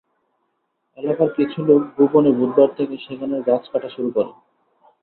এলাকার কিছু লোক গোপনে বুধবার থেকে সেখানের গাছ কাটা শুরু করে।